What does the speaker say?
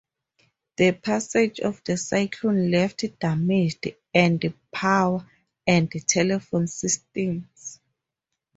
The passage of the cyclone left damaged and power and telephone systems.